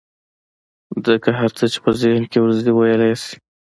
ځکه هر څه چې په ذهن کې ورځي ويلى يې شي.